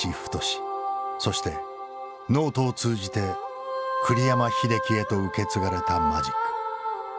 そしてノートを通じて栗山英樹へと受け継がれたマジック。